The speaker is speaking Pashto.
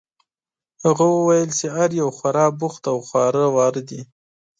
هغه وویل چې هر یو خورا بوخت او خواره واره دي.